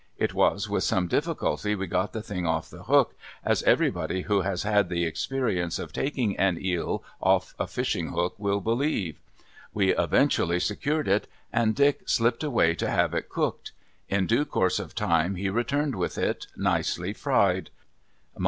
It was with some difficulty we got the thing off the hook, as everybody who has had the experience of taking an eel off a fishing hook will believe. We eventually secured it, and Dick slipped away to have it cooked. In due course of time he returned with it, nicely fried.